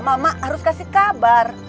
mama harus kasih kabar